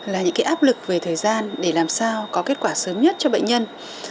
là những cái áp lực về thời gian để làm sao có kết quả sớm nhất cho bệnh nhân